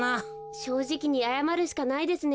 しょうじきにあやまるしかないですね。